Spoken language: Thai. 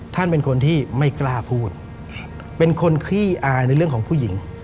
ท่านเป็นคนที่ไม่กล้าพูดเป็นคนขี้อายในเรื่องของผู้หญิง